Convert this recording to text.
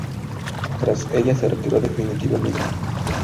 Tras ellas se retiró definitivamente.